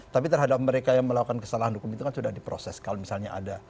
tapi terhadap mereka yang melakukan kesalahan hukum itu kan sudah diproses kalau misalnya ada